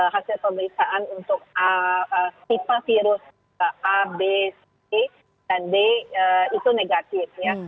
hasil pemeriksaan untuk tipe virus a b c dan d itu negatif ya